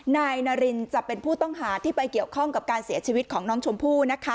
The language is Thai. นายนารินจะเป็นผู้ต้องหาที่ไปเกี่ยวข้องกับการเสียชีวิตของน้องชมพู่